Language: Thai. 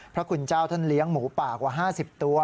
พระคุณเจ้าท่านเลี้ยงหมูป่ากว่า๕๐ตัว